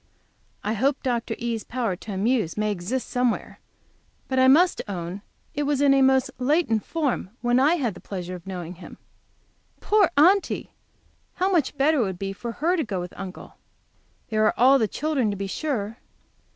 I hope Dr. E.'s power to amuse may exist somewhere, but must own it was in a most latent form when I had the pleasure of knowing him. Poor Aunty! How much better it would be for her to go with Uncle! There are the children, to be sure.